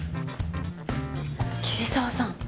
桐沢さん。